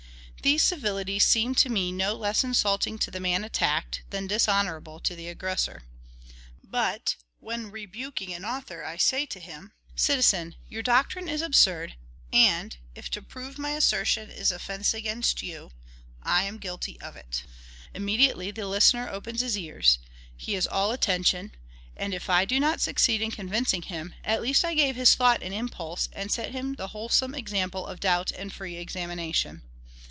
These civilities seem to me no less insulting to the man attacked than dishonorable to the aggressor. But when, rebuking an author, I say to him, "Citizen, your doctrine is absurd, and, if to prove my assertion is an offence against you, I am guilty of it," immediately the listener opens his ears; he is all attention; and, if I do not succeed in convincing him, at least I give his thought an impulse, and set him the wholesome example of doubt and free examination.